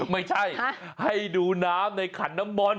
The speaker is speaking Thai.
ไม่ใช่ให้ดูน้ำในขันน้ำมนต